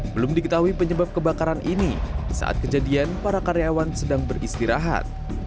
belum diketahui penyebab kebakaran ini saat kejadian para karyawan sedang beristirahat